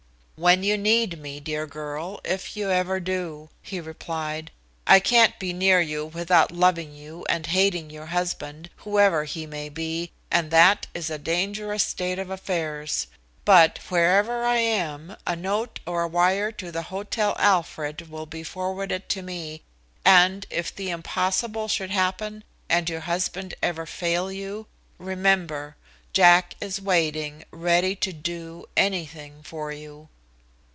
"When you need me, dear girl, if you ever do," he replied. "I can't be near you without loving you and hating your husband, whoever he may be, and that is a dangerous state of affairs. But, wherever I am, a note or a wire to the Hotel Alfred will be forwarded to me, and, if the impossible should happen and your husband ever fail you, remember, Jack is waiting, ready to do anything for you."